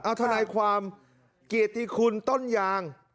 เอาทนายความเกียรติคุณต้นยาง